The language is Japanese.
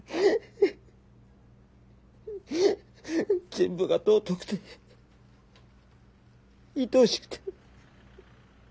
全部が尊くていとおしくて。